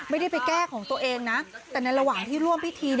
ไม่ได้ไปแก้ของตัวเองนะแต่ในระหว่างที่ร่วมพิธี